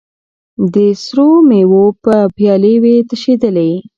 د سرو میو به پیالې وې تشېدلې